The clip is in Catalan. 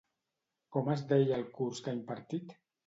Com es deia el curs que ha impartit?